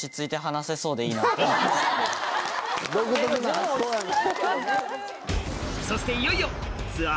独特な発想やな。